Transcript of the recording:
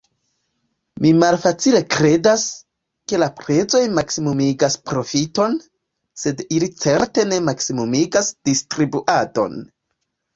Mi malfacile kredas, ke la prezoj maksimumigas profiton, sed ili certe ne maksimumigas distribuadon.